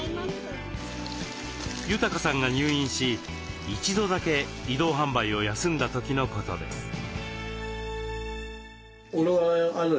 裕さんが入院し一度だけ移動販売を休んだ時のことです。